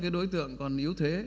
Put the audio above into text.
cái đối tượng còn yếu thế